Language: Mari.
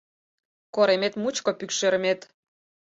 Коремет мучко пӱкшермет.